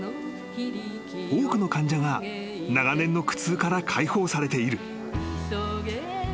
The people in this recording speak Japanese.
［多くの患者が長年の苦痛から解放されている］